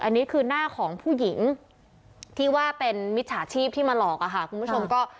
อันนี้คือหน้าของผู้หญิงที่ว่าเป็นมิจฉาชีพที่มาหลอกอะค่ะคุณผู้ชมก็